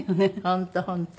本当本当。